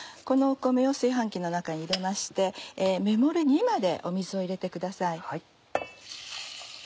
この米を炊飯器の中に入れましてメモリ２まで水を入れてください。